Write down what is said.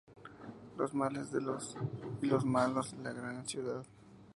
Los males de y los malos de la gran ciudad.